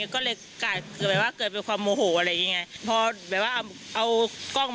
ก็เลยแบบว่าเกิดเป็นความโมโหอะไรอย่างงี้ไงพอแบบว่าเอากล้องมา